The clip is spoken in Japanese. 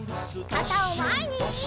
かたをまえに！